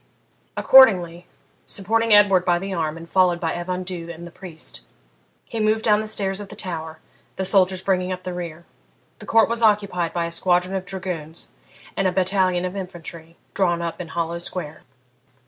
Accordingly, supporting Edward by the arm and followed by Evan Dhu and the priest, he moved down the stairs of the tower, the soldiers bringing up the rear. The court was occupied by a squadron of dragoons and a battalion of infantry, drawn up in hollow square.